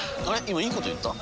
今いいこと言った？